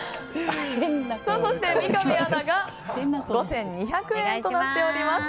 そして三上アナが５２００円となっております。